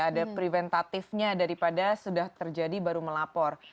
ada preventatifnya daripada sudah terjadi baru melapor